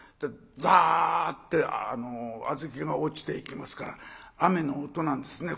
ザッて小豆が落ちていきますから雨の音なんですね。